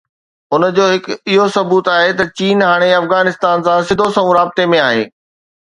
ان جو هڪ ثبوت اهو آهي ته چين هاڻي افغانستان سان سڌو سنئون رابطو ۾ آهي.